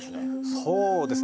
そうですね